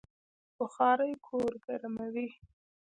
بخارۍ کور ګرموي